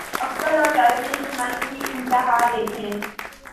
عقل اور دانشمندی کی انتہا دیکھیے۔